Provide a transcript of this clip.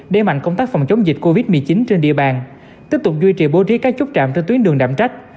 để mạnh công tác phòng chống dịch covid một mươi chín trên địa bàn tiếp tục duy trì bố trí các chốt trạm trên tuyến đường đạm trách